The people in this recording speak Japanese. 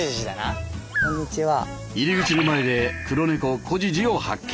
入り口の前で黒猫コジジを発見！